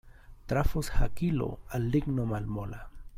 Trafos hakilo al ligno malmola.